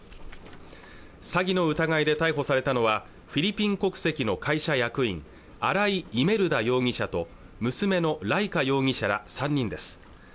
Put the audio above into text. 詐欺の疑いで逮捕されたのはフィリピン国籍の会社役員新井イメルダ容疑者と娘のライカ容疑者ら３人です